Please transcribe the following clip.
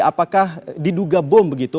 apakah diduga bom begitu